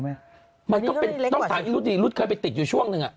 มันก็เป็นต้องถามที่รุ่นนี้รถเคยไปติดอยู่ช่วงหนึ่ง